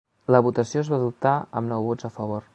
La votació es va adoptar amb nou vots a favor.